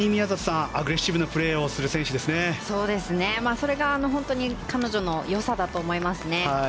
それが本当に彼女の良さだと思いますね。